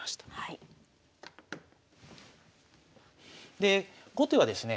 で後手はですね